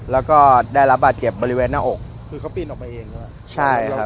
แล้วก็ได้รับบาดเจ็บบริเวณหน้าอกคือเขาปีนออกไปเองด้วยใช่ครับ